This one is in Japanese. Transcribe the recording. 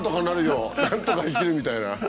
「なんとか生きる」みたいな。